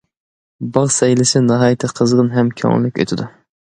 باغ سەيلىسى ناھايىتى قىزغىن ھەم كۆڭۈللۈك ئۆتىدۇ.